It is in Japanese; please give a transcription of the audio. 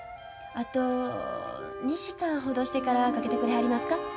あと２時間ほどしてからかけてくれはりますか？